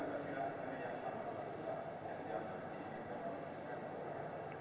apa yang terjadi